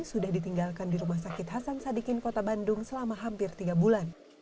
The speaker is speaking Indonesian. sudah ditinggalkan di rumah sakit hasan sadikin kota bandung selama hampir tiga bulan